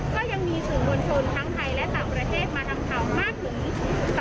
ก็ยังมีสื่อมวลชนทั้งไทยและต่างประเทศมาทำข่าวมากถึง